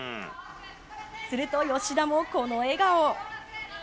すると、吉田もこの笑顔。